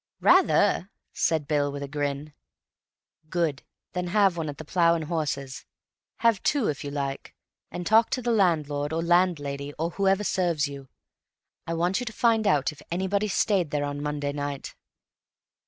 "Rather!" said Bill, with a grin. "Good. Then have one at the 'Plough and Horses.' Have two, if you like, and talk to the landlord, or landlady, or whoever serves you. I want you to find out if anybody stayed there on Monday night."